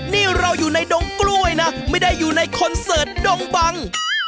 นี่เราอยู่ในดงกล้วยนะไม่ได้อยู่ในคอนเสิร์ตดงบัง